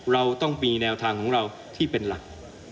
เราต้องมีแนวทางของเราที่เป็นหลัก